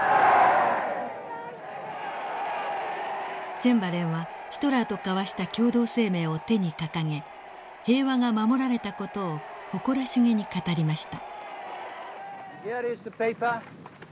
チェンバレンはヒトラーと交わした共同声明を手に掲げ平和が守られた事を誇らしげに語りました。